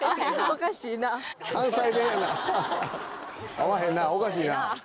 合わへんなおかしいな。